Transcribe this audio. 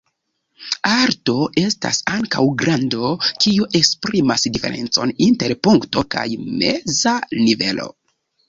Alto estas ankaŭ grando, kio esprimas diferencon inter punkto kaj meza nivelo.